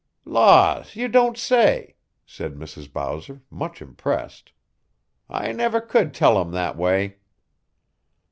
"Laws! you don't say!" said Mrs. Bowser, much impressed. "I never could tell 'em that way."